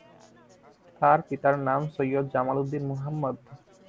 তার পিতার নাম সৈয়দ জামাল উদ্দিন মুহাম্মদ।